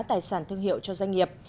tài sản thương hiệu cho doanh nghiệp